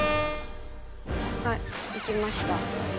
はい行きました。